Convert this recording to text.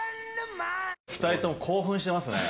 ２人とも興奮してますね。